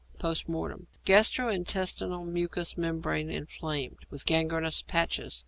Post Mortem. Gastro intestinal mucous membrane inflamed, with gangrenous patches.